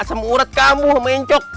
asam uret kamu mencok